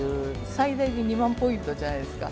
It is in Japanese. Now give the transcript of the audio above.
最大で２万ポイントじゃないですか。